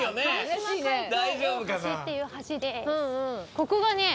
ここがね